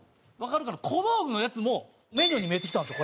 小道具のやつもメニューに見えてきたんですよ。